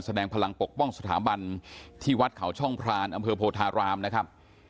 แสดงพลังปกป้องสถาบันที่วัดเขาช่องพรานอำเภอโพธารามนะครับ